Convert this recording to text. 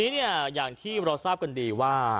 ทีนี้เนี่ยอย่างที่เราทราบกันดีว่า